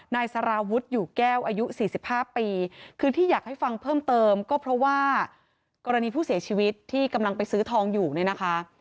นายสารวุฒิอยู่แก้วอายุ๔๕ปีคือที่อยากให้ฟังเพิ่มเติมก็เพราะว่ากรณีผู้เสียชีวิตที่กำลังไปซื้อทองอยู่เนี่ยนะคะ